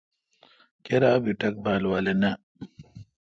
کیرا بی ٹک نہ بال والہ۔